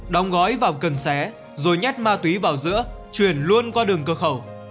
đóng gói vào cần xé rồi nhét ma túy vào giữa chuyển luôn qua đường cơ khẩu